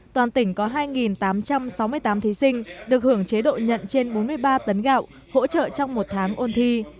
toàn tỉnh có hai tám trăm sáu mươi tám thí sinh được hưởng chế độ nhận trên bốn mươi ba tấn gạo hỗ trợ trong một tháng ôn thi